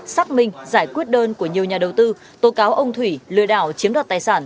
xác minh giải quyết đơn của nhiều nhà đầu tư tố cáo ông thủy lừa đảo chiếm đoạt tài sản